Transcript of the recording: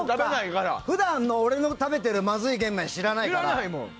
普段、俺が食べてるまずい玄米を知らないから。